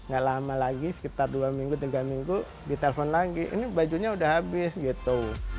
gak lama lagi sekitar dua minggu tiga minggu ditelepon lagi ini bajunya udah habis gitu